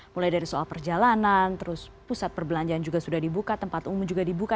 mulai dari soal perjalanan terus pusat perbelanjaan juga sudah dibuka tempat umum juga dibuka